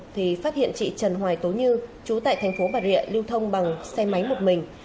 thì phát hiện chị trần hoài tố như trú tại tp bà rịa lưu thông bằng xe máy một mình